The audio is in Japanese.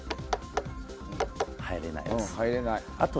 入らないです。